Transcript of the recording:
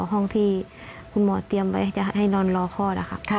ห้องที่คุณหมอเตรียมไว้จะให้นอนรอคลอดนะคะ